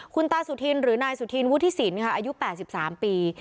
คุณตาสุธินหรือนายสุธินวุฒิศิลป์ค่ะอายุ๘๓ปี